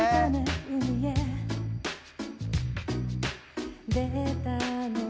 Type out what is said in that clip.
「海へ出たのね」